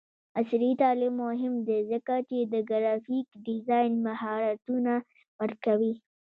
عصري تعلیم مهم دی ځکه چې د ګرافیک ډیزاین مهارتونه ورکوي.